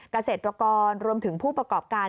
เกษตรกรรวมถึงผู้ประกอบการ